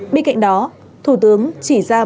bên cạnh đó thủ tướng chỉ ra một lần